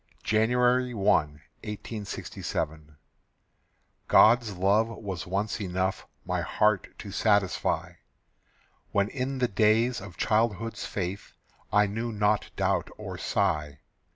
January 1, 1867. God's love was once enough My heart to satisfy, When in the days of childhood's faith I knew not doubt or sigh.